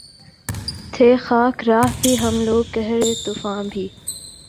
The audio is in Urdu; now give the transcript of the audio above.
تھے خاک راہ بھی ہم لوگ قہر طوفاں بھی